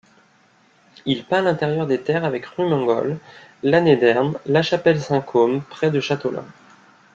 Il peint l’intérieur des terres avec Rumengol, Lannédern, La chapelle Saint-Côme près de Chateaulin.